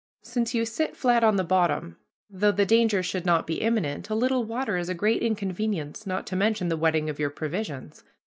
Since you sit flat on the bottom, though the danger should not be imminent, a little water is a great inconvenience, not to mention the wetting of your provisions.